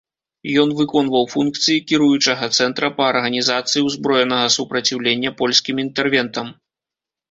Ён выконваў функцыі кіруючага цэнтра па арганізацыі ўзброенага супраціўлення польскім інтэрвентам.